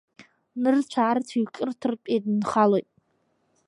Нырцә-аарцә еиқәҿырҭыртә еидынхалоит.